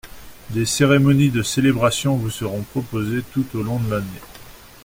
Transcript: Des cérémonies de célébration vous seront proposées tout au long de l’année.